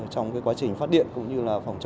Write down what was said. trong quá trình phát điện của sông